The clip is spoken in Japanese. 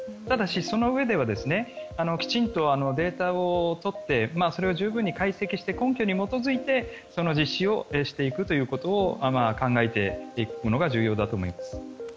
ただし、そのうえではきちんとデータを取ってそれを十分に解析して、根拠に基づいて実施をしていくということを考えていくことが重要だと思います。